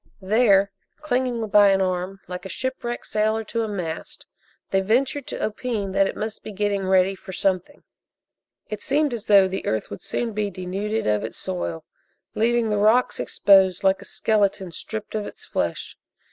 There, clinging by an arm like a shipwrecked sailor to a mast, they ventured to opine that it must be "getting ready for something." It seemed as though the earth would soon be denuded of its soil, leaving the rocks exposed like a skeleton stripped of its flesh.